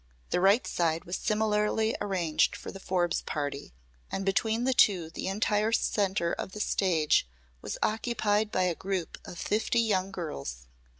The right side was similarly arranged for the Forbes party, and between the two the entire center of the stage was occupied by a group of fifty young girls.